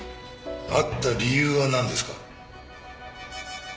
会った理由はなんですか？